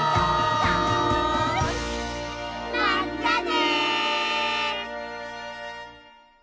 まったね！